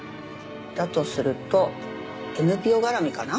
だとするとＮＰＯ絡みかな。